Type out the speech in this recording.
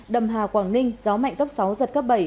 đầm hà quảng ninh gió mạnh cấp sáu giật cấp bảy